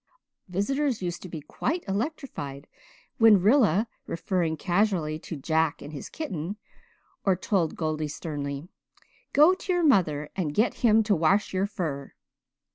Visitors used to be quite electrified when Rilla referred casually to "Jack and his kitten," or told Goldie sternly, "Go to your mother and get him to wash your fur."